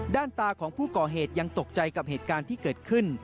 ตาของผู้ก่อเหตุยังตกใจกับเหตุการณ์ที่เกิดขึ้น